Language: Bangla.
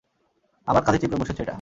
আমার কাঁধে চেপে বসেছে এটা!